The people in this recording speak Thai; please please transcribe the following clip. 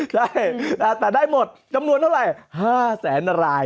ใช่แต่ได้หมดจำนวนเท่าไหร่๕แสนราย